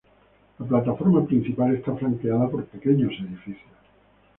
La plataforma principal está flanqueada por pequeños edificios.